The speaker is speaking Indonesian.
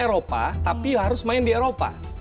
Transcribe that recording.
eropa tapi harus main di eropa